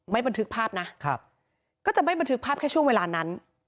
บันทึกภาพนะครับก็จะไม่บันทึกภาพแค่ช่วงเวลานั้น